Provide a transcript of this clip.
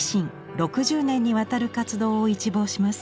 ６０年にわたる活動を一望します。